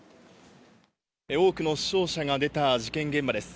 多くの死傷者が出た事件現場です。